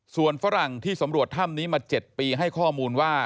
ส่วนฝรั่งที่สำรวจถ้ำนี้มา๗ปีให้ข้อมูลว่า